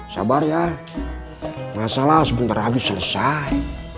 sabar ya masalah sebentar lagi selesai